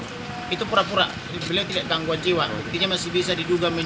harapannya pak harapan